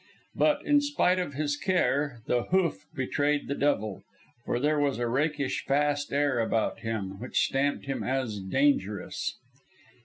But, in spite of his care, the hoof betrayed the devil, for there was a rakish, fast air about him which stamped him as dangerous.